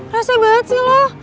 rasanya banget sih lo